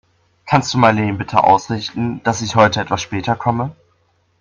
Kannst du Marleen bitte ausrichten, dass ich heute etwas später komme?